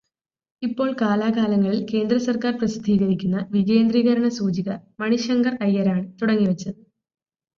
ഇപ്പോൾ കാലാകാലങ്ങളിൽ കേന്ദ്രസർക്കാർ പ്രസിദ്ധീകരിക്കുന്ന വികേന്ദ്രീകരണസൂചിക മണിശങ്കർ അയ്യരാണു തുടങ്ങിവച്ചത്.